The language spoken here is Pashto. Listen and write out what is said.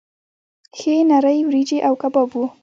ښې نرۍ وریجې او کباب وو.